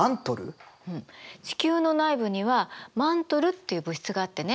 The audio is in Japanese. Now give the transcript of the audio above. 地球の内部にはマントルっていう物質があってね